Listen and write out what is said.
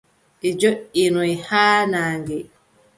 Ɓe joʼinoyi haa naange.